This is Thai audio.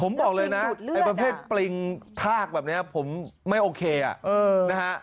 ผมบอกเลยนะไอ้ประเภทปริงทากแบบนี้ผมไม่โอเคนะฮะ